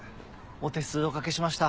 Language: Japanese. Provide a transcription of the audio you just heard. お手数お掛けしました。